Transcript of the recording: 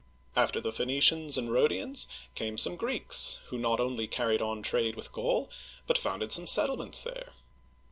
After the Phoenicians and Rhodians came some Greeks, who not only carried on trade with Gaul, but founded some settlements there.